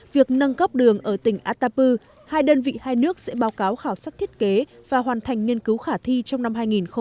việc nâng cấp đường ở tỉnh atapu hai đơn vị hai nước sẽ báo cáo khảo sát thiết kế và hoàn thành nghiên cứu khả thi trong năm hai nghìn hai mươi